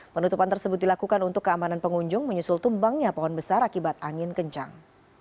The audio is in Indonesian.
penutupan tersebut dilakukan untuk keamanan pengunjung menyusul tumbangnya pohon besar akibat angin kencang